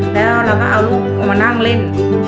แล้วเราก็เอาลูกออกมานั่งเล่น